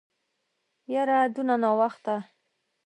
يره دونه ناوخته.